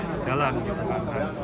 berjalan gitu kan